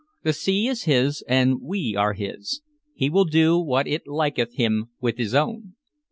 "The sea is his and we are his. He will do what it liketh him with his own."